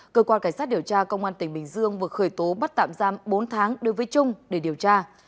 cơ quan cảnh sát điều tra công an tỉnh bình dương vừa khởi tố bắt tạm giam bốn tháng đối với trung để điều tra